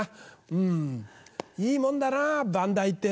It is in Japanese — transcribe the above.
うんいいもんだな番台ってのは。